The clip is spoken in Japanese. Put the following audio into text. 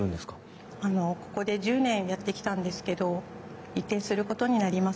あのここで１０年やってきたんですけど移転することになります。